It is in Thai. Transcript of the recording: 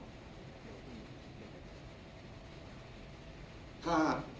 เขาทำผิดอะไรตรงนั้น